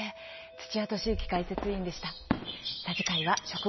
土屋敏之解説委員でした。